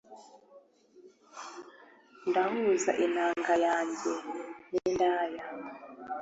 ndahuza inanga yanjye nindaya,